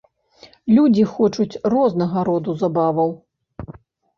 Людзі хочуць рознага роду забаваў.